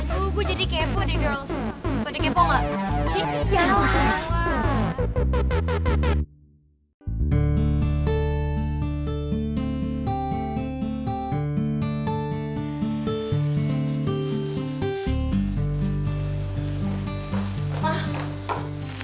aduh gue jadi kepo deh girls